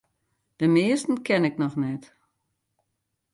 De measten ken ik noch net.